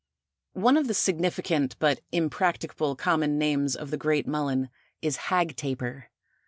One of the significant but impracticable common names of the Great Mullen is Hag taper.